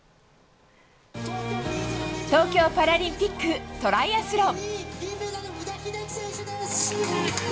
東京パラリンピックトライアスロン。